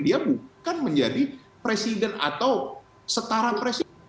dia bukan menjadi presiden atau setara presiden